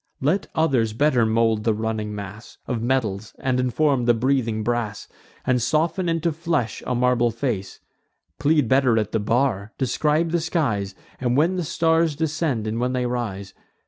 Let others better mould the running mass Of metals, and inform the breathing brass, And soften into flesh a marble face; Plead better at the bar; describe the skies, And when the stars descend, and when they rise.